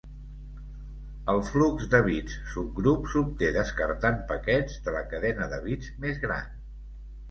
El flux de bits subgrup s’obté descartant paquets de la cadena de bits més gran.